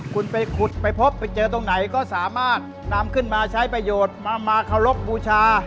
คุณไปขุดไปพบไปเจอตรงไหนก็สามารถนำขึ้นมาใช้ประโยชน์มาเคารพบูชา